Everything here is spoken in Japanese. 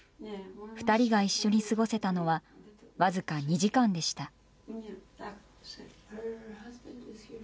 ２人が一緒に過ごせたのはわずか２時間でした。